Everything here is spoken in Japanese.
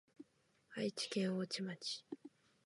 愛知県大治町